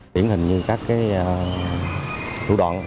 tiến hình như các cái thủ đoạn